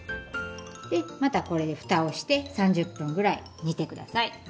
でまたこれでふたをして３０分ぐらい煮てください。